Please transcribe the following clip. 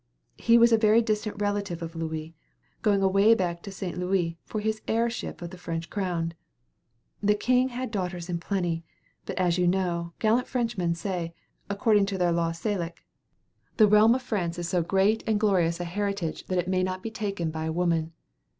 He was a very distant relative of Louis, going away back to St. Louis for his heirship to the French crown. The king had daughters in plenty, but as you know, the gallant Frenchmen say, according to their Law Salic: "The realm of France is so great and glorious a heritage that it may not be taken by a woman."